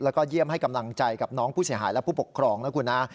แล้วก็เยี่ยมให้กำลังใจกับน้องผู้เสียหายและผู้ปกครองนะคุณนะ